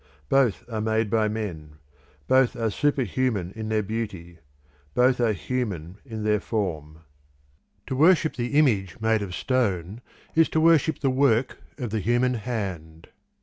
Both are made by men; both are superhuman in their beauty; both are human in their form. To worship the image made of stone is to worship the work of the human hand.